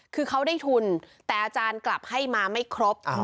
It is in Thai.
คือเขาได้ทุนแต่อาจารย์กลับให้มาไม่ครบ